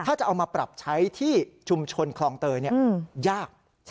ถ้าจะเอามาปรับใช้ที่ชุมชนคลองเตยยาก